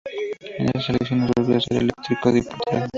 En esas elecciones volvió a ser electo diputado.